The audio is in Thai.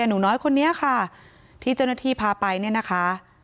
หนูน้อยคนนี้ค่ะที่เจ้าหน้าที่พาไปเนี่ยนะคะ